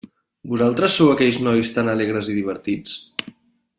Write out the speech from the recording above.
Vosaltres sou aquells nois tan alegres i divertits?